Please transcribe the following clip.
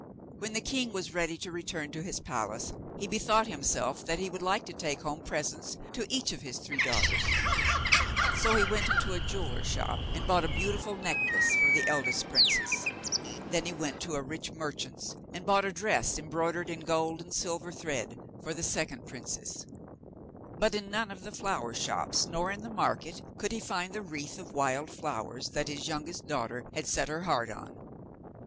When the king was ready to return to his palace, he bethought himself that he would like to take home presents to each of his three daughters; so he went into a jeweller's shop and bought a beautiful necklace for the eldest princess; then he went to a rich merchant's and bought a dress embroidered in gold and silver thread for the second princess, but in none of the flower shops nor in the market could he find the wreath of wild flowers that his youngest daughter had set her heart on.